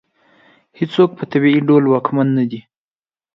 هېڅوک په طبیعي ډول واکمن نه دی.